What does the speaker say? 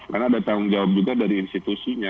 karena ada tanggung jawab juga dari institusinya